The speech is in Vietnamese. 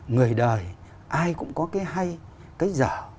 người đời ai cũng có cái hay cái dở